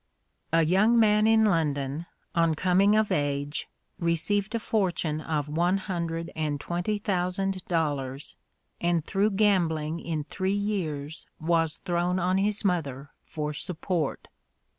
A young man in London, on coming of age, received a fortune of one hundred and twenty thousand dollars, and through gambling in three years was thrown on his mother for support.